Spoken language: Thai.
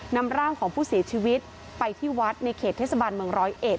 นำร่างของผู้เสียชีวิตไปที่วัดในเขตเทศบาลเมืองร้อยเอ็ด